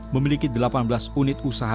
memiliki delapan belas unit usaha